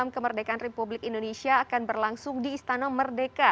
kemerdekaan republik indonesia akan berlangsung di istana merdeka